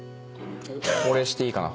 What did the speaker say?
俺していいかな。